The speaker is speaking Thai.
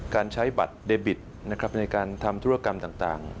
การใช้บัตรเดบิตในการทำธุรกรรมต่าง